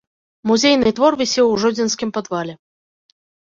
Музейны твор вісеў у жодзінскім падвале.